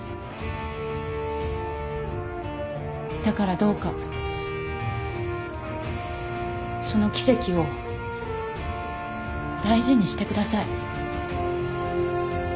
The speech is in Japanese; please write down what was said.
だからどうかその奇跡を大事にしてください。